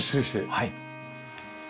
はい。